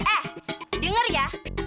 eh denger ya